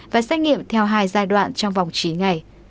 và xét nghiệm theo hai giai đoạn trong vòng chín ngày